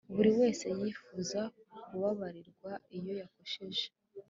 buri wese yifuza kubabarirwa iyo yakosheje.